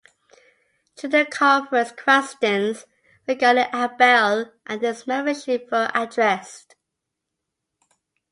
During the conference questions regarding Abel and his membership were addressed.